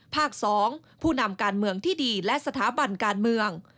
๒ผู้นำการเมืองที่ดีและสถาบันการเมือง